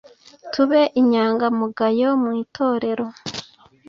tube inyangamugayo mu itorero